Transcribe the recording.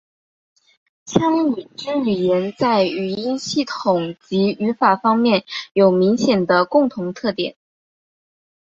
羌语支语言在语音系统及语法方面有明显的共同特点。